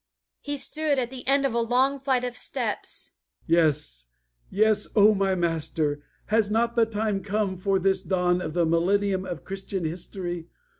He stood at the end of a long flight of steps. "Yes! Yes! O my Master, has not the time come for this dawn of the millennium of Christian history?